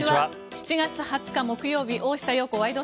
７月２０日、木曜日「大下容子ワイド！